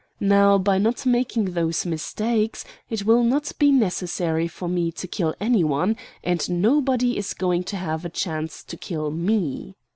Now, by not making those mistakes, it will not be necessary for me to kill any one, and nobody is going to have a chance to kill me.